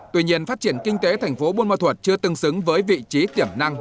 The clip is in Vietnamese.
tuy nhiên phát triển kinh tế thành phố buôn mơ thuột chưa tương xứng với vị trí tiềm năng